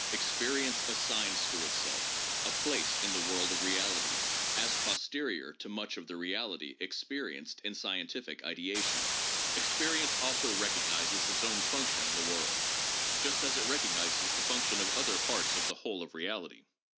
Experience assigns to itself a place in the world of reality, as pos terior to much of the reality experienced in scientific ideation. Experience also recognizes its own function in the world, just as it recognizes the function of other parts of the whole of reality.